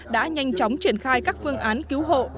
đã nhanh chóng triển khai các phương án cứu hộ